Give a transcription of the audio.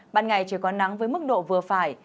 ban ngày trời có nắng với mức độ vừa phải